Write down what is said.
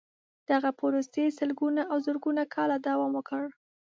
دغې پروسې سلګونه او زرګونه کاله دوام وکړ.